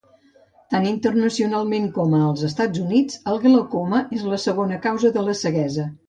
Tant internacionalment com als Estats Units, el glaucoma és la segona causa de la ceguesa.